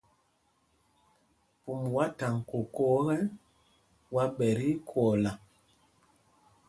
Pûm wá thaŋ kokō ekɛ, wá ɓɛ tí kwɔɔla.